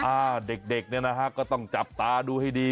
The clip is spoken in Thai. อ่าเด็กเนี่ยนะฮะก็ต้องจับตาดูให้ดี